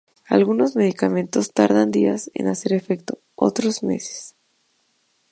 Algunos medicamentos tardan días en hacer efecto, otros meses.